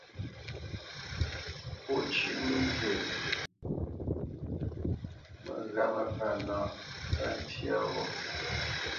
Pó cʉ́ʼ nzə məghǎmə pánǎʼ pá tyâ wó.